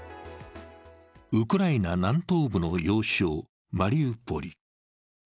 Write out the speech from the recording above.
ウクライナ南東部の要衝マリウポリ。